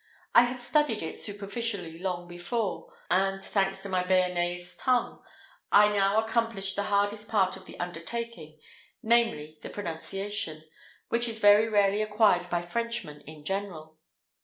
I had studied it superficially long before, and, thanks to my Bearnaise tongue, I now accomplished the hardest part of the undertaking, namely, the pronunciation, which is very rarely acquired by Frenchmen in general.